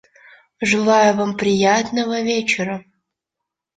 Желаю вам приятного вечера.